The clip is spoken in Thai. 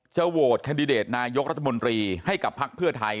โหวตแคนดิเดตนายกรัฐมนตรีให้กับภักดิ์เพื่อไทย